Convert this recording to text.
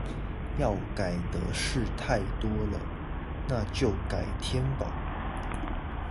要改的事太多了，那就改天吧